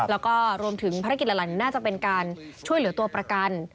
แล้วก็รวมถึงภารกิจเหล่านี้น่าจะเป็นการช่วยเหลือตัวประกัน